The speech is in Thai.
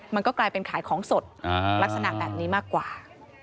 มันก็กลายเป็นขายของสดลักษณะแบบนี้มากกว่า